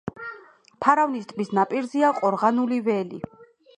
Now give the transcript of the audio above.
ფარავნის ტბის ნაპირზეა ყორღანული ველი.